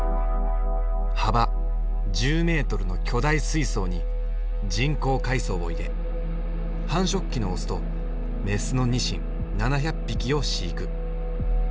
幅１０メートルの巨大水槽に人工海藻を入れ繁殖期のオスとメスのニシン７００匹を飼育。